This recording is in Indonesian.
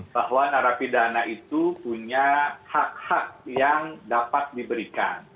bahwa narapidana itu punya hak hak yang dapat diberikan